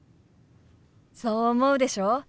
そう思うでしょ？